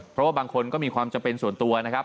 เพราะว่าบางคนก็มีความจำเป็นส่วนตัวนะครับ